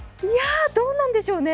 どうなんでしょうね。